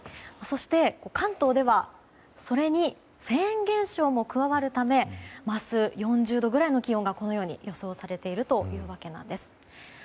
そして関東では、それにフェーン現象も加わるため明日、４０度くらいの気温がこのように予想されているというわけです。